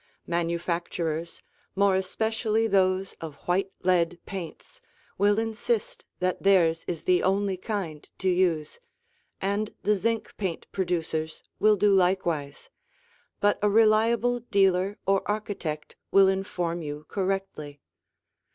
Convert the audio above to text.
Manufacturers, more especially those of white lead paints, will insist that theirs is the only kind to use, and the zinc paint producers will do likewise, but a reliable dealer or architect will inform you correctly.